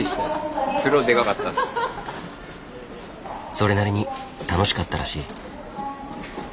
それなりに楽しかったらしい。